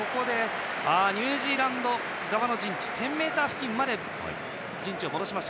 ニュージーランド側１０ｍ付近まで陣地を戻しました。